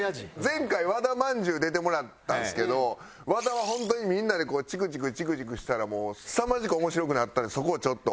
前回和田まんじゅう出てもらったんですけど和田は本当にみんなでチクチクチクチクしたらもうすさまじく面白くなったのでそこをちょっと。